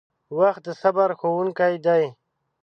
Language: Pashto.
• وخت د صبر ښوونکی دی.